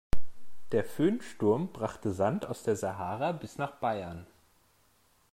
Der Föhnsturm brachte Sand aus der Sahara bis nach Bayern.